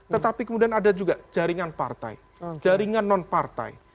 tetapi kemudian ada juga jaringan partai jaringan non partai